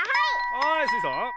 はいスイさん。